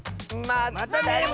まったね！